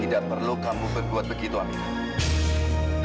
tidak perlu kamu berbuat begitu apinya